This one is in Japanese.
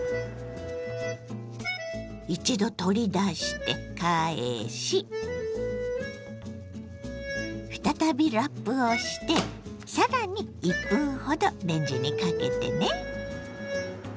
一度取り出して返し再びラップをして更に１分ほどレンジにかけてね。